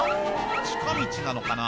近道なのかな？